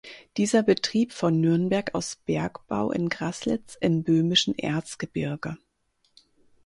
Dieser betrieb von Nürnberg aus Bergbau in Graslitz im böhmischen Erzgebirge.